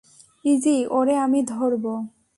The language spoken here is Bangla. ইজি - ওরে আমি ধরবো।